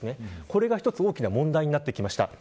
これが大きな問題になってきました。